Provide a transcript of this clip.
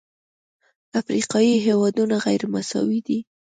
افریقایي هېوادونه غیرمساوي دي.